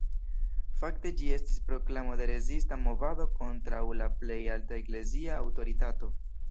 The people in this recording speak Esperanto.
Fakte ĝi estis proklamo de rezista movado kontraŭ la plej alta eklezia aŭtoritato.